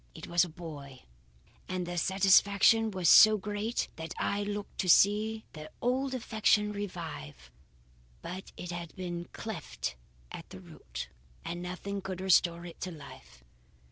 It was a boy, and their satisfaction was so great that I looked to see their old affection revive. But it had been cleft at the root, and nothing could restore it to life.